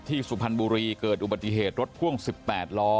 สุพรรณบุรีเกิดอุบัติเหตุรถพ่วง๑๘ล้อ